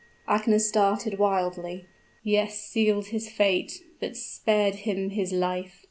Agnes started wildly. "Yes, sealed his fate, but spared him his life!"